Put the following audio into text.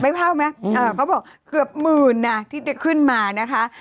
เผ่าไหมเขาบอกเกือบหมื่นนะที่ได้ขึ้นมานะคะ